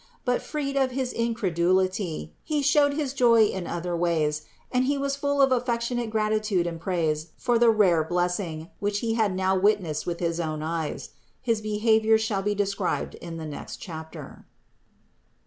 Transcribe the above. But, freed of his incredulity, he showed his joy in other ways and he was full of affec tionate gratitude and praise for the rare blessing, which he had now witnessed with his own eyes. His behavior we shall describe in the next chapter.